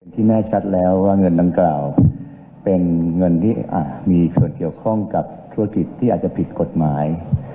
แน่ชัดแล้วว่าเงินดังกล่าวเป็นเงินที่มีส่วนเกี่ยวข้องกับธุรกิจที่อาจจะผิดกฎหมาย